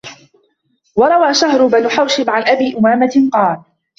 وَرَوَى شَهْرُ بْنُ حَوْشَبٍ عَنْ أَبِي أُمَامَةَ قَالَ